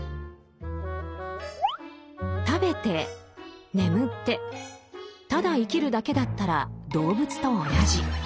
食べて眠ってただ生きるだけだったら動物と同じ。